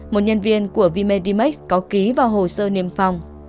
một nhân viên của vmedimax có ký vào hồ sơ niêm phong